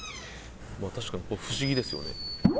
確かに不思議ですよね。